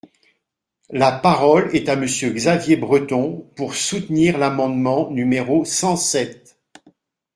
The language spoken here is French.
La parole est à Monsieur Xavier Breton, pour soutenir l’amendement numéro cent sept.